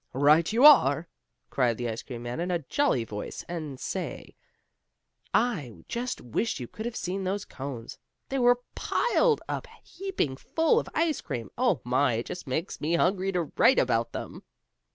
"Right you are!" cried the ice cream man in a jolly voice, and, say, I just wish you could have seen those cones! They were piled up heaping full of ice cream. Oh, my! It just makes me hungry to write about them.